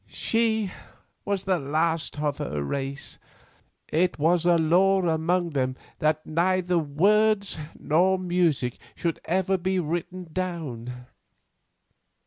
She was the last of her race, and it was a law among them that neither words nor music should ever be written down."